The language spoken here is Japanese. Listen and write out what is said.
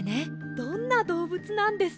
どんなどうぶつなんですか？